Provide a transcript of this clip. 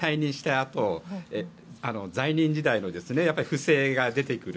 あと在任時代の不正が出てくる。